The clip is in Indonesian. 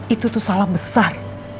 itu tuh salah besar